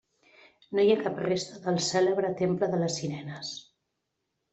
No hi ha cap resta del cèlebre temple de les Sirenes.